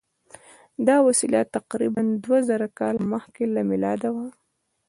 دا وسیله تقریبآ دوه زره کاله مخکې له میلاده وه.